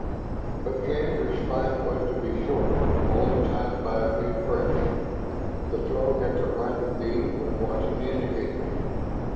But Shann's respite was to be very short, only timed by a few breaths. The Throg at the riding beam was watching the indicators.